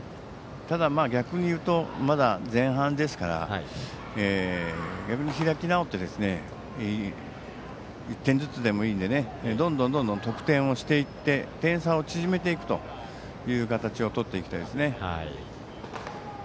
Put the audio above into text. ただ逆に言うとまだ前半ですから逆に開き直って１点ずつでもいいのでどんどん得点をしていって点差を縮めていくという形をとっていきたいですね。